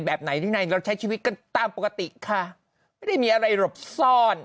แบบไหนที่ไหนเราใช้ชีวิตกันตามปกติค่ะไม่ได้มีอะไรหลบซ่อน